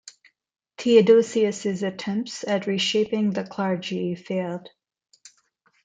Theodosius's attempts at reshaping the clergy failed.